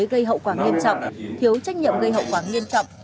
gây hậu quả nghiêm trọng thiếu trách nhiệm gây hậu quả nghiêm trọng